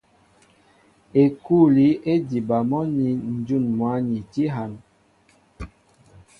Ekûli é diba mɔ́ nín ǹjún mwǎ ni tí hân.